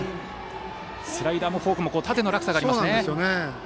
スライダーもフォークも縦の落差がありますね。